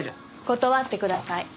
断ってください。